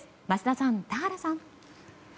桝田さん、田原さん。